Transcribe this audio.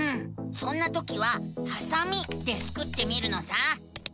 そんなときは「はさみ」でスクってみるのさ！